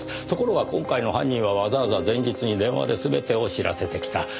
ところが今回の犯人はわざわざ前日に電話で全てを知らせてきた。